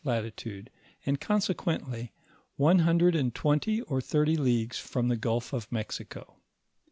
latitude, and consequently one hundred and twenty or thirty leagues from the gulf of Mexico.